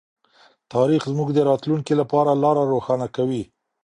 تاریخ زموږ د راتلونکي لپاره لاره روښانه کوي.